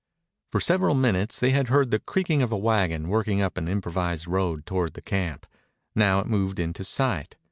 For several minutes they had heard the creaking of a wagon working up an improvised road toward the camp. Now it moved into sight.